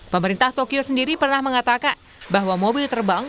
pemerintah tokyo sendiri pernah mengatakan bahwa mobil terbang